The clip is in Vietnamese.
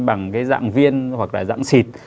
bằng cái dạng viên hoặc là dạng xịt